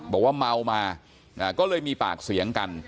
บอกว่าเมามาก็เลยมีปากเสียงกัน